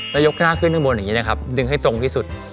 แล้วยกหน้าขึ้นข้างบนอย่างนี้นะครับดึงให้ตรงที่สุด